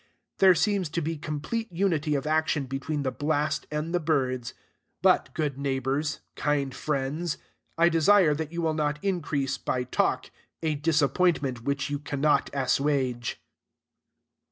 There seems to be complete unity of action between the blast and the birds. But, good neighbors, kind friends, I desire that you will not increase, by talk, a disappointment which you cannot assuage.